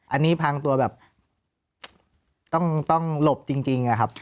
อันนี้พางตัวต้องหลบจริงครับ